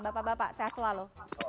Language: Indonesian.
bapak bapak sehat selalu